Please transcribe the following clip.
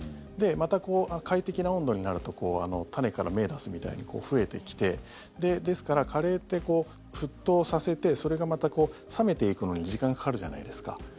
また快適な温度になると種から芽を出すみたいに増えてきてですからカレーって沸騰させてそれがまた冷めていくのに時間かかるじゃないですか。